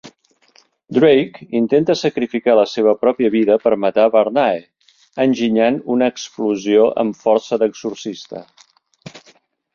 Drake intenta sacrificar la seva pròpia vida per matar Varnae, enginyant una explosió amb força d'exorcista.